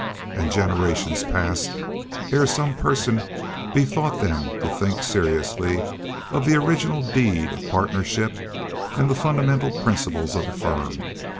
And generations passed ere some persons bethought them to think seriously of the original Deed of Partnership and the fundamental principles of the Firm.